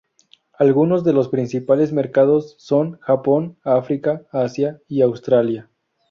Algunos de los principales mercados son Japón, África, Asia y Australia.